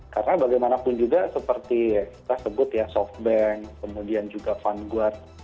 karena bagaimanapun juga seperti kita sebut ya softbank kemudian juga fundguard